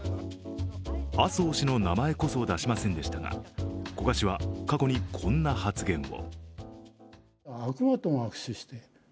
麻生氏の名前こそ出しませんでしたが、古賀氏は過去にこんな発言を。